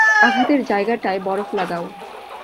আঘাতের জায়গাটায় বরফ লাগাও।